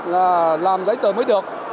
là làm giấy tờ mới được